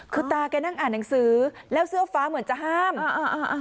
คือตาแกนั่งอ่านหนังสือแล้วเสื้อฟ้าเหมือนจะห้ามอ่าอ่า